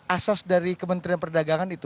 asas dari kementerian perdagangan itu